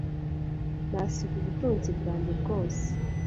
Nasiga ubutunzi bwanjye bwose